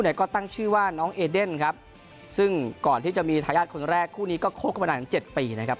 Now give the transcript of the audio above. ก็ตั้งชื่อว่าน้องเอเดนครับซึ่งก่อนที่จะมีทายาทคนแรกคู่นี้ก็คบกันมานานถึงเจ็ดปีนะครับ